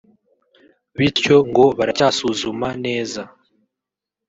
bityo ngo baracyasuzuma neza